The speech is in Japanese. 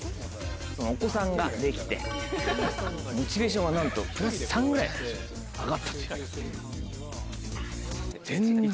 お子さんができてモチベーションがなんとプラス３ぐらい上がったという。